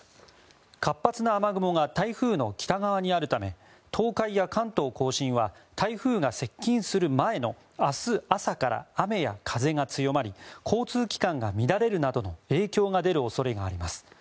活発な雨雲が台風の北側にあるため東海や関東・甲信は台風が接近する前の明日朝から雨や風が強まり交通機関が乱れるなどの影響が出る恐れがあります。